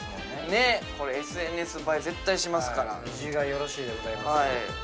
ねっＳＮＳ映え絶対しますから・ビジュがよろしいでございます